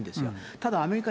ただアメリカ